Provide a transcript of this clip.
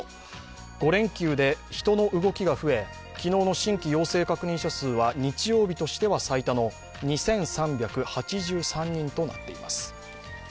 ５連休で人の動きが増え昨日の新規陽性確認者数は日曜日としては最多の２３８３人となっています。